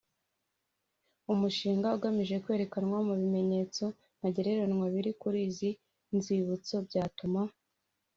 Umushinga ugamije kwemeranywa ku bimenyetso ntagereranywa biri kuri izi nzibutso byatuma